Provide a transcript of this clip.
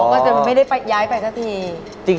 ก็จะไม่ได้ย้ายไปสักที